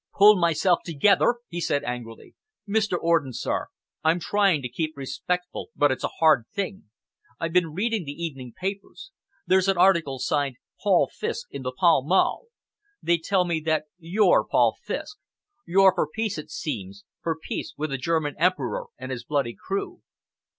"Pull myself together!" he said angrily. "Mr. Orden, sir, I'm trying to keep respectful, but it's a hard thing. I've been reading the evening papers. There's an article, signed 'Paul Fiske', in the Pall Mall. They tell me that you're Paul Fiske. You're for peace, it seems for peace with the German Emperor and his bloody crew."